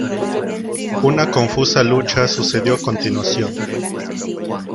Una confusa lucha sucedió a continuación.